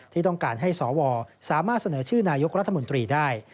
ที่ต้องการให้สวสามารถเสนอชื่อนายกรัฐมนตรีได้